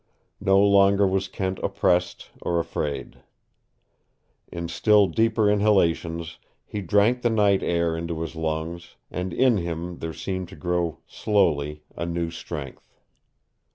No longer was Kent oppressed or afraid. In still deeper inhalations he drank the night air into his lungs, and in him there seemed to grow slowly a new strength.